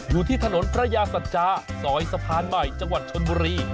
อยู่ที่ถนนพระยาสัจจาซอยสะพานใหม่จังหวัดชนบุรี